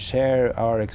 khi tôi đã ở